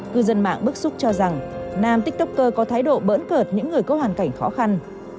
cư dân mạng bức xúc cho rằng nam tiktoker có thái độ bỡn cợt những người có hoàn cảnh khó khăn